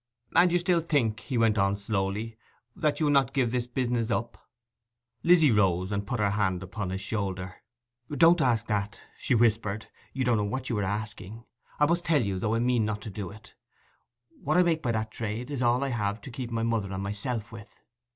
'And you still think,' he went on slowly, 'that you will not give this business up?' Lizzy rose, and put her hand upon his shoulder. 'Don't ask that,' she whispered. 'You don't know what you are asking. I must tell you, though I meant not to do it. What I make by that trade is all I have to keep my mother and myself with.